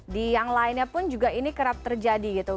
di yang lainnya pun juga ini kerap terjadi gitu